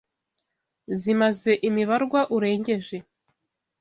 Zimaze imibarwa urengeje